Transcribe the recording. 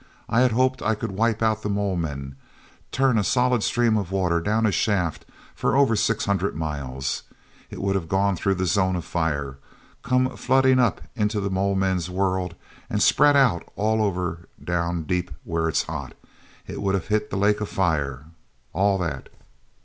I had hoped I could wipe out the mole men, turn a solid stream of water down a shaft for over six hundred miles. It would have gone through the Zone of Fire, come flooding up into the mole men world and spread out all over down deep where it's hot. It would have hit the Lake of Fire—all that!"